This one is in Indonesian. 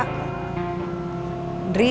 aku mau ke rumah